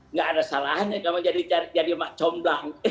nggak ada salahannya kamu jadi mak comblang